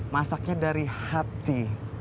masaknya dari hati